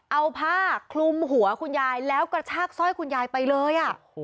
เอาผ้าคลุมหัวคุณยายแล้วกระชากสร้อยคุณยายไปเลย